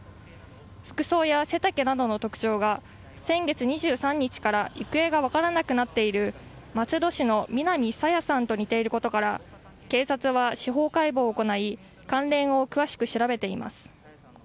服装や背丈などの特徴が先月２３日から行方が分からなくなっている松戸市の南朝芽さんと似ていることから警察は司法解剖を行い関連を詳しく調べています。